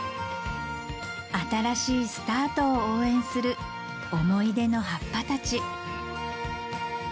新しいスタートを応援する思い出の葉っぱたち